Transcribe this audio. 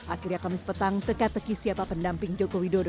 akhirnya kamis petang teka teki siapa pendamping jokowi dodo